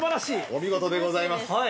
◆お見事でございます。